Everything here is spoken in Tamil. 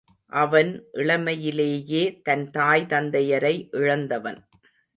அவன் இளமையிலேயே தன் தாய் தந்தையரை இழந்தவன்.